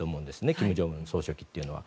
金正恩総書記というのは。